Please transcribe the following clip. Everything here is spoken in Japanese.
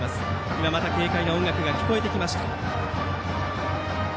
今また軽快な音楽が聞こえてきました。